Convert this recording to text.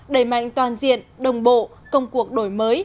đẩy mạnh toàn diện đồng bộ công cuộc đổi mới